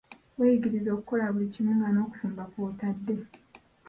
Weeyigirize okukola buli kimu nga n'okufumba kw'otadde.